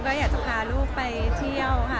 ก็อยากจะพาลูกไปเที่ยวค่ะ